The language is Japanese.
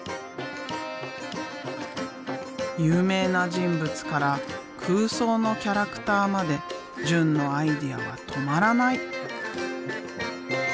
有名な人物から空想のキャラクターまで淳のアイデアは止まらない。